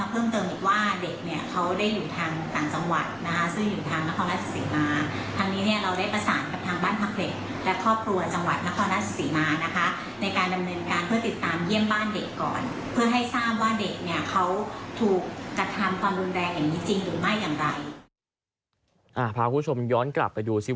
เพื่อให้ทราบว่าเด็กเค้าถูกกระทำความรุนแรงอย่างนี้จริงหรือไม่อย่างไร